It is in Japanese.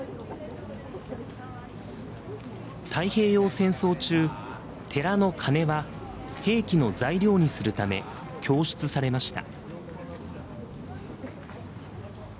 太平洋戦争中、寺の鐘は兵器の材料にするため供出されました。